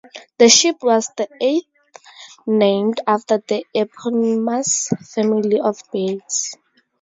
The ship was the eighth named after the eponymous family of birds.